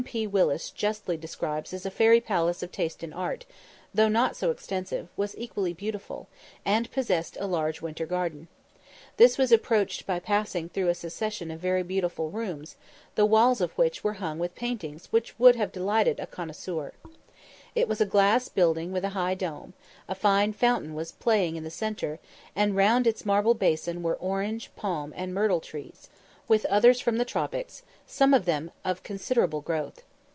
P. Willis justly describes as "a fairy palace of taste and art," though not so extensive, was equally beautiful, and possessed a large winter garden. This was approached by passing through a succession of very beautiful rooms, the walls of which were hung with paintings which would have delighted a connoisseur. It was a glass building with a high dome: a fine fountain was playing in the centre, and round its marble basin were orange, palm, and myrtle trees, with others from the tropics, some of them of considerable growth.